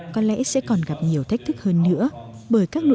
có lẽ sẽ còn gặp nhiều thách thức hơn nữa